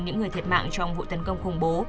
những người thiệt mạng trong vụ tấn công khủng bố